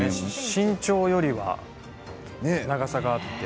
身長よりは長さがあって。